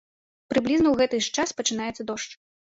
Прыблізна ў гэты ж час пачынаецца дождж.